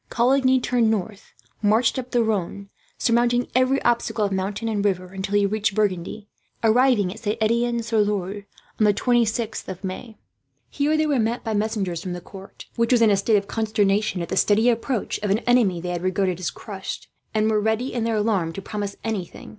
Coligny turned north, marched up the Rhone, surmounting every obstacle of mountain and river; until he reached Burgundy, arriving at Saint Etienne sur Loire on the 26th of May. Here they were met by messengers from the court, which was in a state of consternation at the steady approach of an enemy they had regarded as crushed; and were ready, in their alarm, to promise anything.